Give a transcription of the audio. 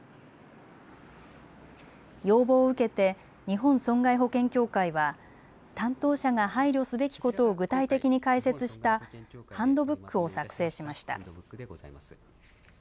要望を受けて日本損害保険協会は担当者が配慮すべきことを具体的に解説したハンドブックを作成しました。